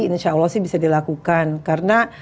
insya allah sih bisa dilakukan karena